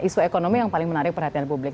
isu ekonomi yang paling menarik perhatian publik